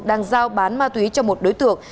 đang giao bán ma túy cho một đối tượng